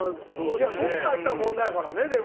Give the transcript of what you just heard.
いや特化した問題やからねでも。